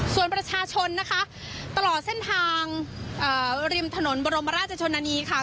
ส่วนประชาชนนะคะตลอดเส้นทางริมถนนบรมราชชนนานีค่ะ